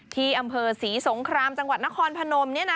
ที่อำเภอศรีสงครามจังหวัดนครพนม